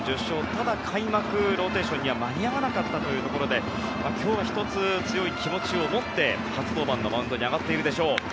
ただ、開幕ローテーションには間に合わなかったというところで今日は１つ、強い気持ちを持って初登板のマウンドに上がっているでしょう。